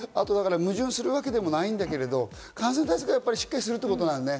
矛盾するわけでもないんだけど感染対策はしっかりするってことだよね。